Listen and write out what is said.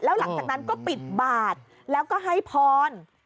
แล้วหลังจากนั้นก็ปิดบาทแล้วก็ให้พร